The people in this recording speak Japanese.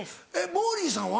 モーリーさんは？